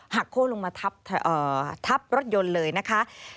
โค้ลงมาทับรถยนต์เลยนะคะ